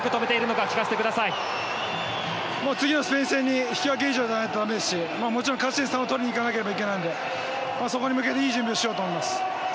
次のスペイン戦に引き分け以上じゃないと駄目ですしもちろん勝ち点３を取りに行かなければいけないのでそこに向けていい準備をしようと思います。